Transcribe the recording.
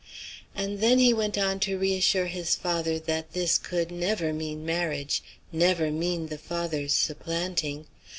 And then he went on to re assure his father that this could never mean marriage, never mean the father's supplanting.